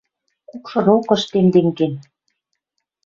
Кукшы рокыш темден кен.